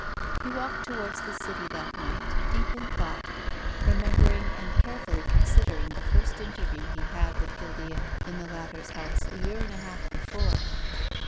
He walked towards the City that night, deep in thought, remembering and carefully consider ing the first interview he had with Guildea in the latter's house a year and a half before.